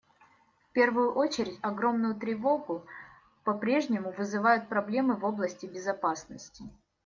В первую очередь огромную тревогу попрежнему вызывают проблемы в области безопасности.